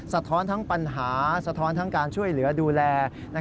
สะท้อนทั้งปัญหาสะท้อนทั้งการช่วยเหลือดูแล